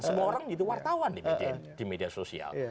semua orang jadi wartawan di media sosial